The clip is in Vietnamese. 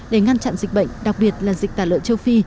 để ngăn chặn dịch bệnh đặc biệt là dịch tả lợn châu phi